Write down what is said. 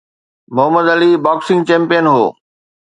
Muhammad Ali boxing champion هو.